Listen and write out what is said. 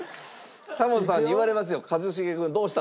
タモリさんに言われますよ。